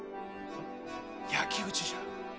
焼き打ちじゃ。